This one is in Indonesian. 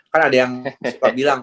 kan ada yang suka bilang